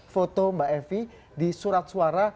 foto mbak evi di surat suara